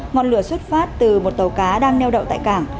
ngọn lửa xuất phát từ một tàu cá đang neo đậu tại cảng